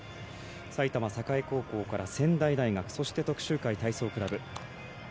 埼玉栄高校から仙台大学、徳洲会体操クラブ。